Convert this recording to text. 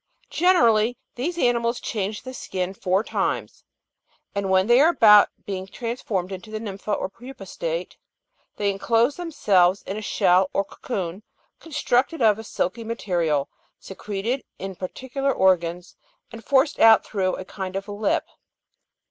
Generally these animals change the skin four times ; and when they are about being transformed into the nympha or pupa state, they enclose themselves in a shell or cocoon, constructed of a silky material, secreted in particular organs, and forced out through a kind of lip.